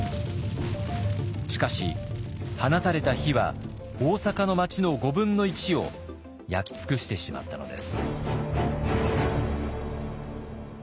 しかし放たれた火は大坂の町の５分の１を焼き尽くしてしまったのです。